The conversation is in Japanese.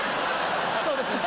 そうですね